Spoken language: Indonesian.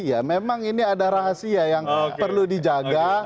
ya memang ini ada rahasia yang perlu dijaga